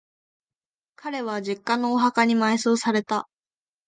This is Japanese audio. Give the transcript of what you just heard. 彼は、実家のお墓に埋葬された。